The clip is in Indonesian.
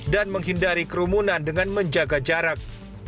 dan menghindari kerumunan dengan menjaga jarak